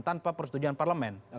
tanpa persetujuan parlemen